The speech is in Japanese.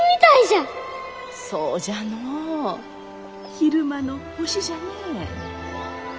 昼間の星じゃね。